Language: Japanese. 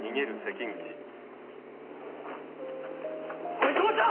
おいどうした！？